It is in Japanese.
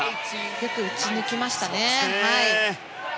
よく打ち抜きましたね。